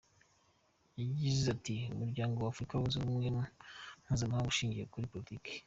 Yagize ati “Umuryango wa Afurika yunze Ubumwe ni mpuzamahanga ushingiye kuri politiki.